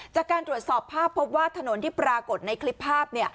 จากการตรวจสอบภาพพบว่าถนนที่ปรากฏในคลิปภาพ